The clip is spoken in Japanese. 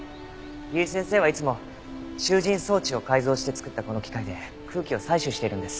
由井先生はいつも集じん装置を改造して作ったこの機械で空気を採取しているんです。